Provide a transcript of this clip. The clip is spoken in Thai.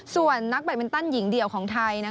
ส่วนนักแบตมินตันหญิงเดี่ยวของไทย